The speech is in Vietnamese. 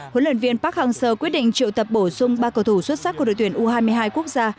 huấn luyện viên park hang seo quyết định triệu tập bổ sung ba cầu thủ xuất sắc của đội tuyển u hai mươi hai quốc gia